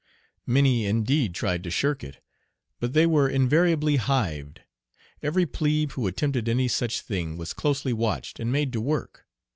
Many indeed tried to shirk it, but they were invariably "hived." Every plebe who attempted any such thing was closely watched and made to work.